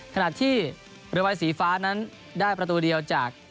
ขณะที่เรือใบสีฟ้านั้นได้ประตูเดียวจาก